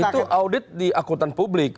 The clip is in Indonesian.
itu audit di akutan publik